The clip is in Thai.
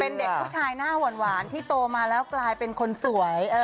เป็นเด็กผู้ชายหน้าหวานที่โตมาแล้วกลายเป็นคนสวย